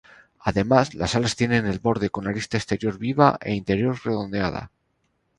Además, las alas tienen el borde con arista exterior viva e interior redondeada.